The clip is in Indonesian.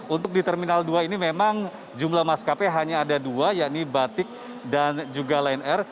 untuk di terminal dua ini memang jumlah maskapai hanya ada dua yakni batik dan juga line air